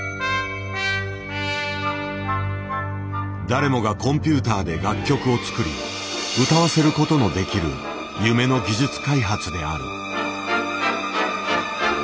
誰もがコンピューターで楽曲を作り歌わせることのできる夢の技術開発である。